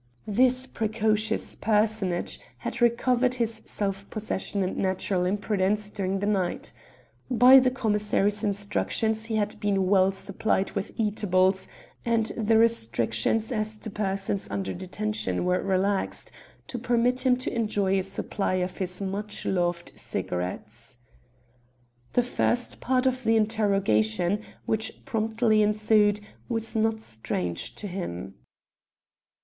This precocious personage had recovered his self possession and natural impudence during the night. By the commissary's instructions he had been well supplied with eatables, and the restrictions as to persons under detention were relaxed, to permit him to enjoy a supply of his much loved cigarettes. Consequently, the little thief was restored to his usual state of jaunty cheekiness. The first part of the interrogation, which promptly ensued, was not strange to him.